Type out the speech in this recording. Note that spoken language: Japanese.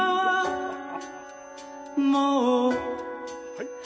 はい。